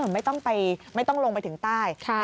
ไม่ต้องลงไปถึงใต้